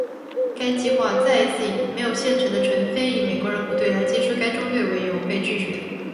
该计划再一次以没有现成的全非裔美国人部队来接收该中队为由被拒绝。